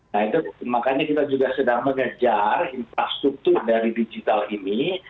nah itu makanya kita juga sedang mengejar infrastruktur dari digital ini